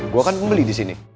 gue kan pembeli di sini